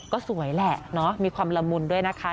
ก็สวยแหละเนาะมีความละมุนด้วยนะคะ